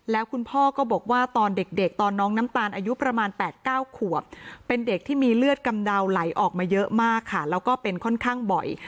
แล้วคุณพ่อก็บอกว่าตอนเด็กตอนน้องน้ำตาลอายุประมาณ๘๙ขวบเป็นเด็กที่มีเลือดกำเดาไหลออกมาเยอะมากค่ะแล้วก็เป็นค่อนข้างบ่อย